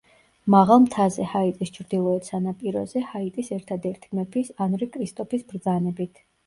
მაღალ მთაზე, ჰაიტის ჩრდილოეთ სანაპიროზე, ჰაიტის ერთადერთი მეფის ანრი კრისტოფის ბრძანებით.